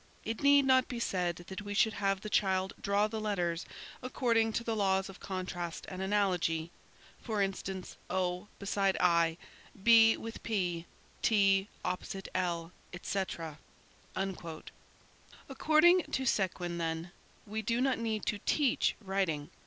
It need not be said that we should have the child draw the letters according to the laws of contrast and analogy. For instance, O beside I; B with P; T opposite L, etc." According to Séquin, then, we do not need to teach writing.